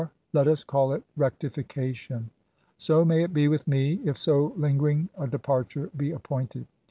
let us call it rectification. So may it be with me, if 80 lingering a departure be appointed